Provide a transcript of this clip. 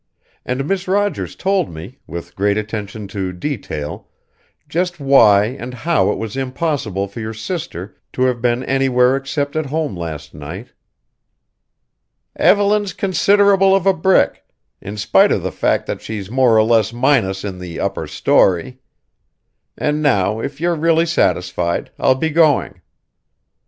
And Miss Rogers told me, with great attention to detail, just why and how it was impossible for your sister to have been anywhere except at home last night." "Evelyn's considerable of a brick, in spite of the fact that she's more or less minus in the upper story. And now, if you're really satisfied, I'll be going."